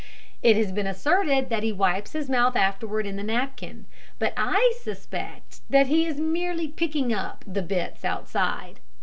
It has been asserted that he wipes his mouth afterwards in the napkin; but I suspect that he is merely picking up the bits outside.